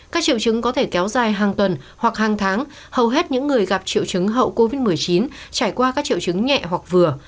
các triệu chứng có thể kéo dài hàng tuần hoặc hàng tháng hầu hết những người gặp triệu chứng hậu covid một mươi chín trải qua các triệu chứng nhẹ hoặc vừa